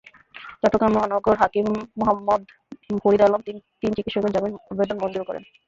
চট্টগ্রাম মহানগর হাকিম মোহাম্মদ ফরিদ আলম তিন চিকিৎসকের জামিন আবেদন মঞ্জুর করেন।